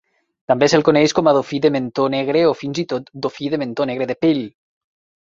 També se'l coneix com a dofí de mentó negre o fins i tot dofí de mentó negre de Peale.